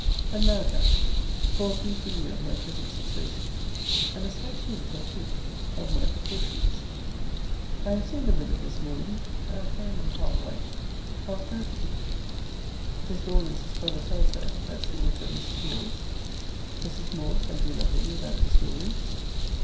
But now, Jack, for a brief review of my present situation; and a slight hint or two of my precautions. I have seen the women this morning, and find them half right, half doubting. Miss Rawlins's brother tells her, that she lives at Mrs. Moore's. Mrs. Moore can do nothing without Miss Rawlins.